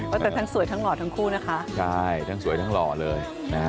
แต่ทั้งสวยทั้งหล่อทั้งคู่นะคะใช่ทั้งสวยทั้งหล่อเลยนะฮะ